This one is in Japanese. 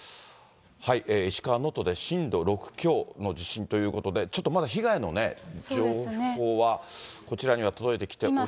石川能登で震度６強の地震ということで、ちょっとまだ被害の情報はこちらには届いてきておりません。